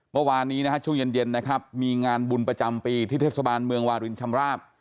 เมื่อวานนี้นะฮะช่วงเย็นนะครับมีงานบุญประจำปีที่เทศบาลเมืองวารินชำราบ